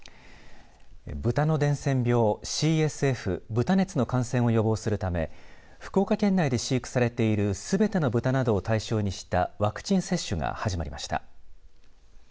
豚の伝染病ＣＳＦ、豚熱の感染を予防するため福岡県内で飼育されているすべての豚などを対象にしたワクチン接種が始まりました。